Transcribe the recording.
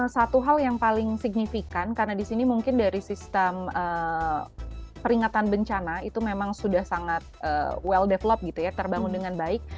satu hal yang paling signifikan karena di sini mungkin dari sistem peringatan bencana itu memang sudah sangat well develop gitu ya terbangun dengan baik